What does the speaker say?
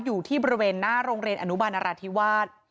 อยู่ที่บริเวณหน้าโรงเรียนอนุบาลนราธิวาส